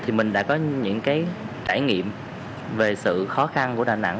thì mình đã có những cái trải nghiệm về sự khó khăn của đà nẵng